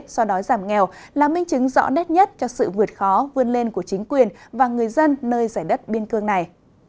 so đói giảm nghèo là minh chứng rõ nét nhất cho sự vượt khó vươn lên của chính quyền và người dân nơi giải đất biên cương này